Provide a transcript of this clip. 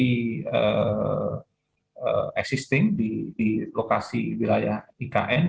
di existing di lokasi wilayah ikn